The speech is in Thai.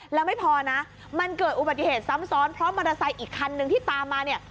แล้วไม่พอนะมันเกิดอุบัติเหตุซ้ำซ้อนเพราะมอเตอร์ไซค์อีกคันนึงที่ตามมาเนี่ย